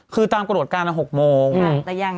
คือตามกระโดดการ๖โมง